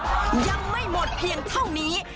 ยังไม่หมดเพียงเท่านี้